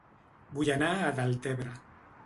Vull anar a Deltebre